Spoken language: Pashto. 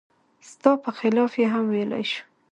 ستا په خلاف یې هم ویلای شي.